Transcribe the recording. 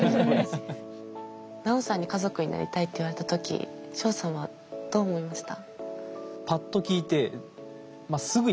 ナオさんに「家族になりたい」って言われた時ショウさんはどう思いました？